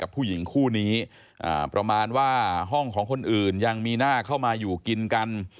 อันนี้ไปมันไม่เจอกันใคร